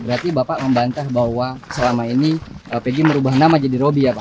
berarti bapak membantah bahwa selama ini pg merubah nama jadi robby ya pak